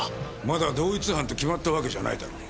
まだ同一犯と決まったわけじゃないだろう。